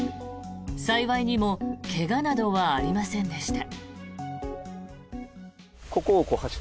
幸いにも怪我などはありませんでした。